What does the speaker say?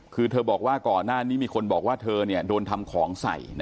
คือเธอบอกว่าก่อนหน้านี้มีคนบอกว่าเธอโดนทำของใส่